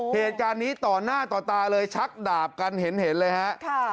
เหตุการณ์นี้ต่อหน้าต่อตาเลยชักดาบกันเห็นเลยฮะ